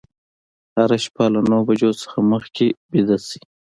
هره شپه له نهه بجو څخه مخکې ویده شئ.